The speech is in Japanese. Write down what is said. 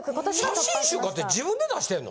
写真集かて自分で出してんの？